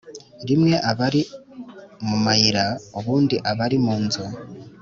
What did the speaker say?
Rimwe aba ari mu mayira ubundi aba ari munzu